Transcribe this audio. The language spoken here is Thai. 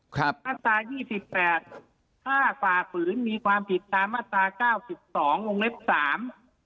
ครับมาตรายี่สิบแปดถ้าฝ่าฝืนมีความผิดตามมาตราเก้าสิบสองวงเล็บสาม